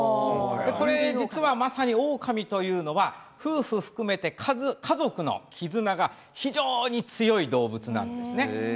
実は、まさにオオカミというのは夫婦含めて家族の絆が非常に強い動物なんですね。